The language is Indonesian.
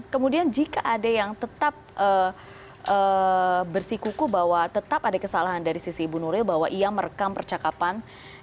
kemudian jika ada yang tetap bersikuku bahwa tetap ada kesalahan dari sisi ibu nuril bahwa ia merekam percakapan